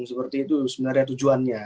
seperti itu sebenarnya tujuannya